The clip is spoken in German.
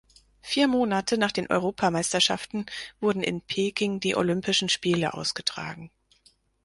Vier Monate nach den Europameisterschaften wurden in Peking die Olympischen Spiele ausgetragen.